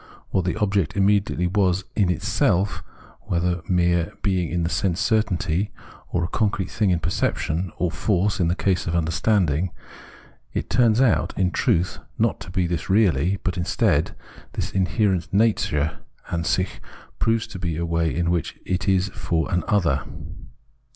What the object immediately was in itself — whether mere being in sense certainty, a concrete thing in perception, or force in the case of understanding — it turns out, in truth, not to be this really ; but instead, this inherent nature (AnsicJi) proves to be a way in which it is for an other.